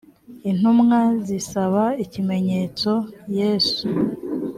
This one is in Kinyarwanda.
intumwa zisaba ikimenyetso yesu